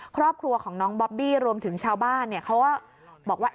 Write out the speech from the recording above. ครอบครัวของน้องบอบบี้รวมถึงชาวบ้านเขาก็บอกว่า